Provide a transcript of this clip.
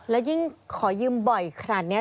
แล้วยิ่งขอยืมบ่อยขนาดนี้